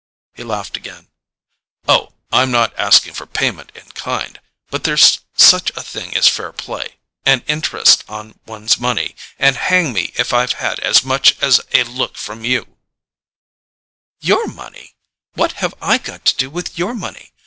He laughed again. "Oh, I'm not asking for payment in kind. But there's such a thing as fair play—and interest on one's money—and hang me if I've had as much as a look from you——" "Your money? What have I to do with your money?